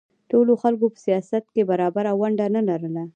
ټولو خلکو په سیاست کې برابره ونډه نه لرله